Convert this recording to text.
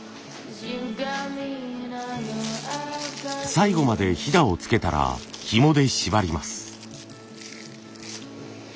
最後までひだをつけたらひもで縛ります。